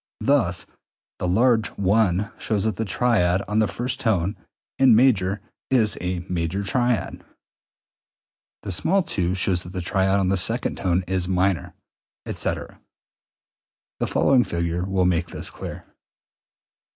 Thus e.g., the large I shows that the triad on the first tone (in major) is a major triad, the small II shows that the triad on the second tone is minor, etc. The following figure will make this clear.